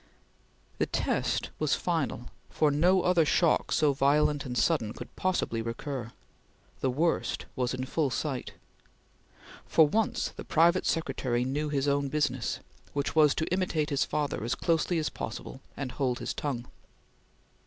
The test was final, for no other shock so violent and sudden could possibly recur. The worst was in full sight. For once the private secretary knew his own business, which was to imitate his father as closely as possible and hold his tongue.